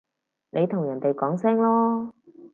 你同人哋講聲囉